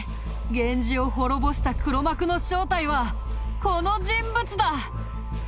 源氏を滅ぼした黒幕の正体はこの人物だ！